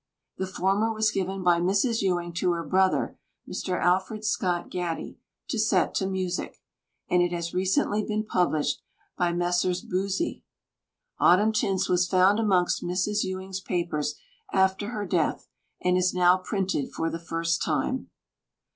The former was given by Mrs. Ewing to her brother, Mr. Alfred Scott Gatty, to set to music, and it has recently been published by Messrs. Boosey. "Autumn Tints" was found amongst Mrs. Ewing's papers after her death, and is now printed for the first time.